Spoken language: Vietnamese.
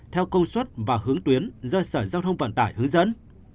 theo công suất và hướng tuyến do sở giao thông vận tải hướng dẫn